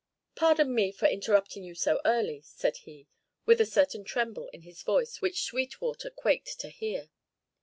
"Pardon me for interrupting you so early," said he, with a certain tremble in his voice which Sweetwater quaked to hear.